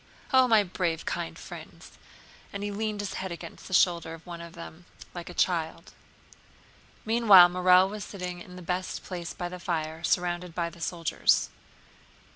Oh, my brave, kind friends," and he leaned his head against the shoulder of one of the men like a child. Meanwhile Morel was sitting in the best place by the fire, surrounded by the soldiers.